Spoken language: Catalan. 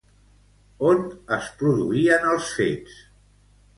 On es produïen els fets?